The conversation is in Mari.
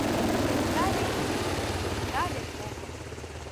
Эртале ий, эртале кокыт…